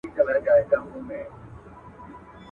نه یې پښې لامبو ته جوړي نه لاسونه.